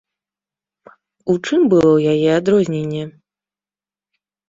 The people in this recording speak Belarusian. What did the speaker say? У чым было яе адрозненне?